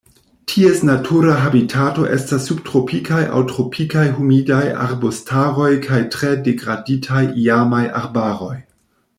Ties natura habitato estas subtropikaj aŭ tropikaj humidaj arbustaroj kaj tre degraditaj iamaj arbaroj.